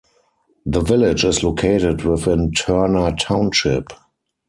The village is located within Turner Township.